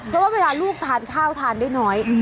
เพราะว่าเวลาลูกทานข้าวทานได้น้อย